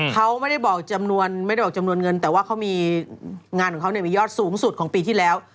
เขาไม่ได้บอกจำนวนเงินแต่ว่างานของเขามียอดสูงสุดของปีที่แล้ว